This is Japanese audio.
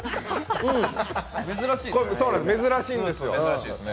珍しいんですよ。